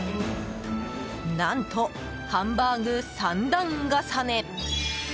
何と、ハンバーグ３段重ね！